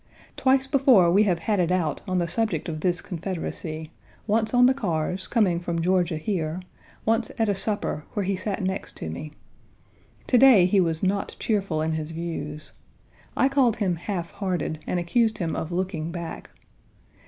Twice before we have had it out on the subject of this Confederacy, once on the cars, coming from Georgia here, once at a supper, where he sat next to me. To day he was not cheerful in his views. I called him half hearted, and accused him of looking back.